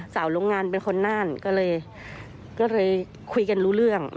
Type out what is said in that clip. โรงงานเป็นคนน่านก็เลยคุยกันรู้เรื่อง